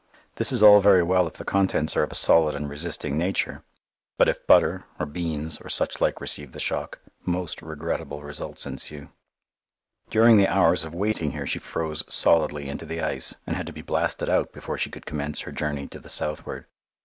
This is all very well if the contents are of a solid and resisting nature; but if butter, or beans, or such like receive the shock, most regrettable results ensue. During the hours of waiting here she froze solidly into the ice, and had to be blasted out before she could commence her journey to the southward.